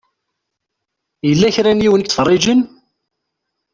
Yella kra n yiwen i yettfeṛṛiǧen.